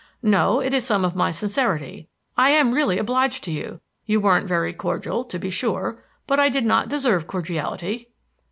"No, it is some of my sincerity. I am really obliged to you. You weren't very cordial, to be sure, but I did not deserve cordiality."